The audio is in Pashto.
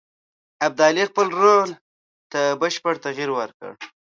ابدالي خپل رول ته بشپړ تغییر ورکړ.